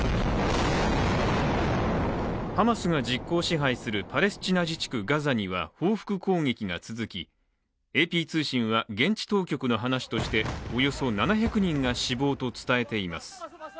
ハマスが実効支配するパレスチナ自治区ガザには報復攻撃が続き、ＡＰ通信は現地当局の話としておよそ７００人が死亡と伝えています。